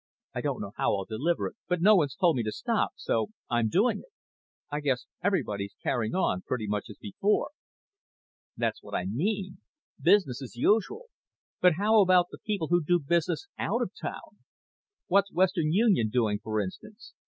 I don't know how I'll deliver it, but no one's told me to stop so I'm doing it. I guess everybody's carrying on pretty much as before." "That's what I mean. Business as usual. But how about the people who do business out of town? What's Western Union doing, for instance?